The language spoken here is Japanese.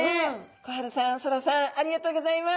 心花さん昊良さんありがとうギョざいます。